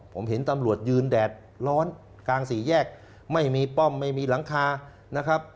ผมเห็นตำรวจยืนแดดร้อนกลางสี่แยกไม่มีป้อมไม่มีหลังคานะครับ